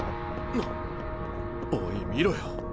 あっおい見ろよ。